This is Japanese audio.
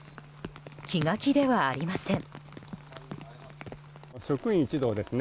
気が気ではありません。